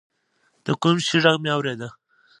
د کوم شي ږغ مې اورېده.